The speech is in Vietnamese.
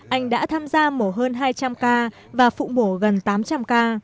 anh đã tham gia mổ hơn hai trăm linh ca và phụ mổ gần tám trăm linh ca